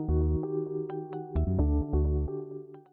dan juga dengan partai partai politik